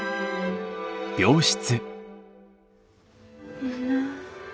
みんな。